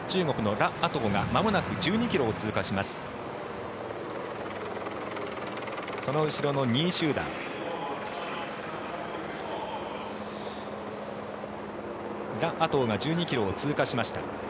ラ・アトウが１２ｋｍを通過しました。